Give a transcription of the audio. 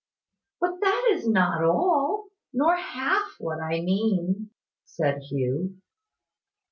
"But that is not all nor half what I mean," said Hugh.